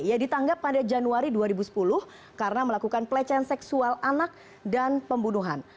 ia ditangkap pada januari dua ribu sepuluh karena melakukan pelecehan seksual anak dan pembunuhan